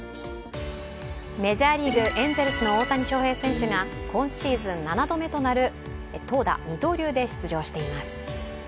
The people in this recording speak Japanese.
メジャーリーグ、エンゼルスの大谷翔平選手が今シーズン７度目となる投打・二刀流で出場しています。